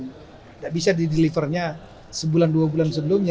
tidak bisa didelivernya sebulan dua bulan sebelumnya